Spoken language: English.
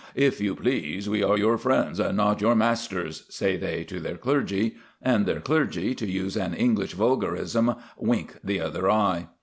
"If you please, we are your friends, and not your masters," say they to their clergy; and their clergy, to use an English vulgarism, "wink the other eye."